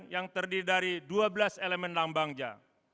yang terdiri dari dua belas elemen lambangnya